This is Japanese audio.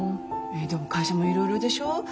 えでも会社もいろいろでしょう。